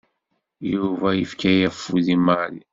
Yuba yefka afud i Mary.